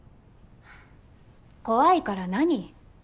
怖いから何？